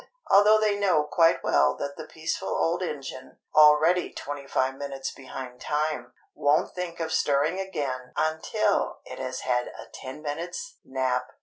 although they know quite well that the peaceful old engine—already twenty five minutes behind time—won't think of stirring again until it has had a ten minutes' nap!